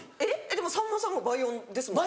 でもさんまさんも倍音ですもんね。